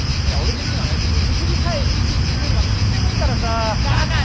いや俺的にはね水着さえ死守してくれれば何でもいいからさあ。